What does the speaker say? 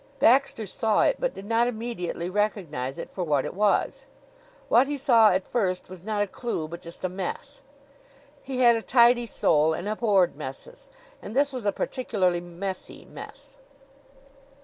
Baxter saw it, but did not immediately recognize it for what it was. What he saw, at first, was not a clew, but just a mess. He had a tidy soul and abhorred messes, and this was a particularly messy mess.